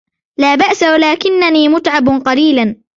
لا بأس، ولكنني متعب قليلا.